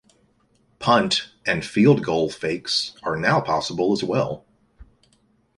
Punt and field goal fakes are now possible as well.